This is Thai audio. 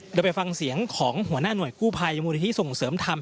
เดี๋ยวไปฟังเสียงของหัวหน้าหน่วยกู้ภัยมูลนิธิส่งเสริมธรรม